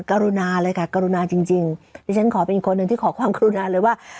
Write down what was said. กรุณาเลยค่ะกรุณาจริงจริงดิฉันขอเป็นอีกคนหนึ่งที่ขอความกรุณาเลยว่า